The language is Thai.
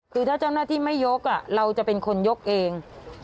คือถ้าเจ้าหน้าที่ไม่ยกเราจะเป็นคนยกเอง